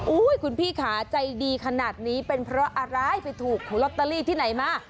คุณพี่ขาใจดีขนาดนี้เป็นเพราะอะไรไปถูกลอตเตอรี่ที่ไหนมา